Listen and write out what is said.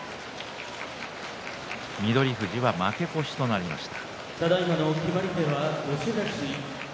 翠富士は負け越しとなりました。